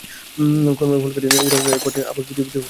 কর্মের ফল কাটিয়ে উঠার জন্য এই পথটি আবার পৃথিবীতে ফিরে আসতে হবে।